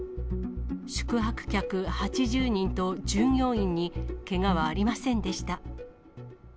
宿泊客８０人と従業員にけがはありませんでした。